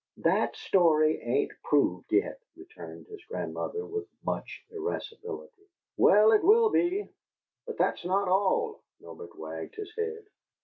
"That story ain't proved yet!" returned his grandmother, with much irascibility. "Well, it will be; but that's not all." Norbert wagged his head.